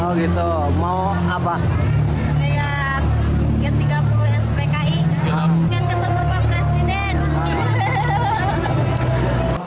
pengen ketemu pak presiden